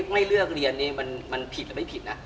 ไม่เลือกเรียนนี่มันผิดหรือไม่ผิดนะ